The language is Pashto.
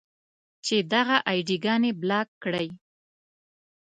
چې دغه اې ډي ګانې بلاک کړئ.